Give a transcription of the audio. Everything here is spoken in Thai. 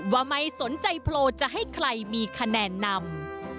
ว่าไม่สนใจโพลจะให้ใครมีคะแนนนำ